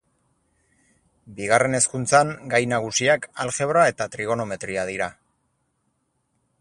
Bigarren hezkuntzan, gai nagusiak aljebra eta trigonometria dira.